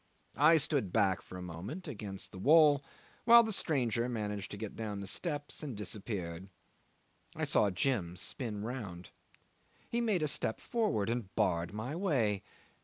I stood back for a moment against the wall while the stranger managed to get down the steps and disappeared. I saw Jim spin round. He made a step forward and barred my way.